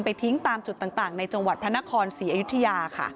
ทิ้งตามจุดต่างในจังหวัดพระนครศรีอยุธยาค่ะ